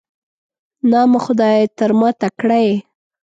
نام خدای، تر ما تکړه یې.